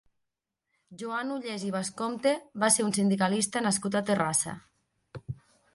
Joan Ullés i Bascompte va ser un sindicalista nascut a Terrassa.